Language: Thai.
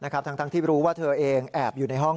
ทั้งที่รู้ว่าเธอเองแอบอยู่ในห้อง